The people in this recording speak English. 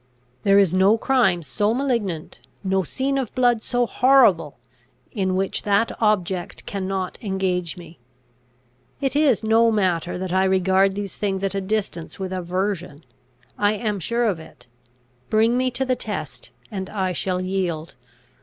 There is no crime so malignant, no scene of blood so horrible, in which that object cannot engage me. It is no matter that I regard these things at a distance with aversion; I am sure of it; bring me to the test, and I shall yield.